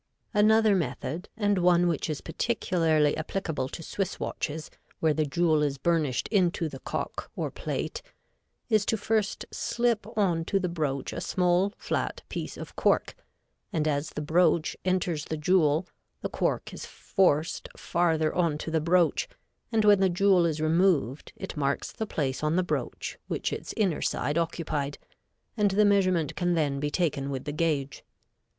Another method, and one which is particularly applicable to Swiss watches, where the jewel is burnished into the cock or plate, is to first slip on to the broach a small flat piece of cork and as the broach enters the jewel the cork is forced farther on to the broach, and when the jewel is removed it marks the place on the broach which its inner side occupied, and the measurement can then be taken with the gauge.